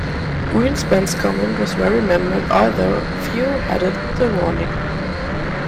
Greenspan's comment was well remembered, although few heeded the warning.